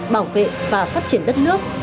bảo vệ và phát triển đất nước